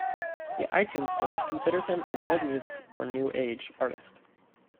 The iTunes Store considers him a World Music or New Age artist.